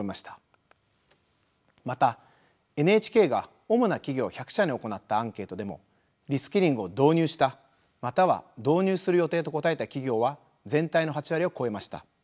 またＮＨＫが主な企業１００社に行ったアンケートでもリスキリングを導入したまたは導入する予定と答えた企業は全体の８割を超えました。